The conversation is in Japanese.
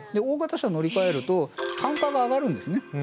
大型車乗り換えると単価が上がるんですね